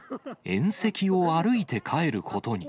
縁石を歩いて帰ることに。